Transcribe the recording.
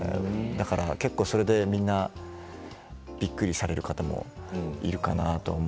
結構それでみんなびっくりされる方もいるのかなと。